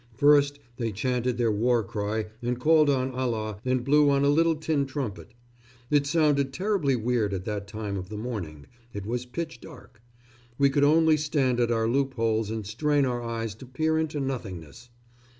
First they chanted their war cry and called on Allah and blew on a little tin trumpet. It sounded terribly weird at that time of the morning it was pitch dark. We could only stand at our loopholes and strain our eyes to peer into nothingness.